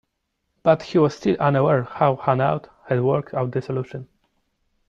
But he was still unaware how Hanaud had worked out the solution.